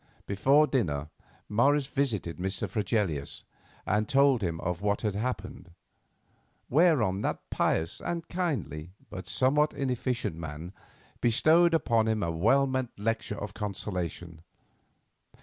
Before dinner Morris visited Mr. Fregelius, and told him of what had happened; whereon that pious and kindly, but somewhat inefficient man, bestowed upon him a well meant lecture of consolation.